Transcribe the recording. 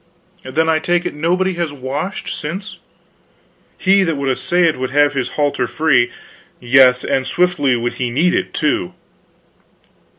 "Then I take it nobody has washed since." "He that would essay it could have his halter free; yes, and swiftly would he need it, too."